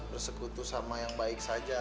bersekutu sama yang baik saja